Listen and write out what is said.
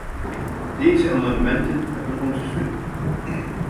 Deze amendementen hebben onze steun.